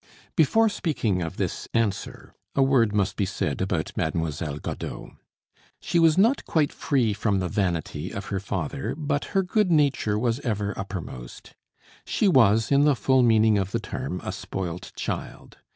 Before speaking of this answer, a word must be said about Mademoiselle Godeau. She was not quite free from the vanity of her father, but her good nature was ever uppermost. She was, in the full meaning of the term, a spoilt child.